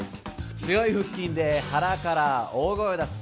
強い腹筋で腹から大声を出す。